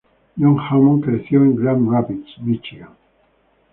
John Hammond creció en Grand Rapids, Michigan.